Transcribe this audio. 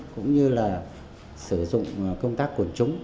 cũng như là sử dụng công tác quần chúng